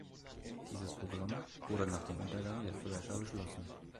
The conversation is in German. Dieses Programm wurde nach dem Untergang der "Thresher" beschlossen.